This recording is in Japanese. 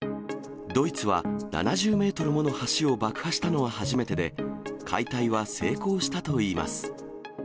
ドイツは７０メートルもの橋を爆破したのは初めてで、解体は成功したといいます。